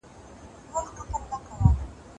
زه سندري اورېدلي دي!!